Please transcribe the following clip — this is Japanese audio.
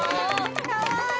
かわいい。